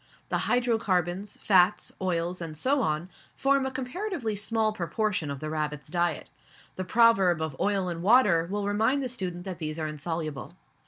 The hydrocarbons, fats, oils, and so on, form a comparatively small proportion of the rabbit's diet; the proverb of "oil and water" will remind the student that these are insoluble.